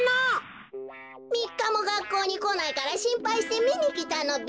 みっかもがっこうにこないからしんぱいしてみにきたのべ。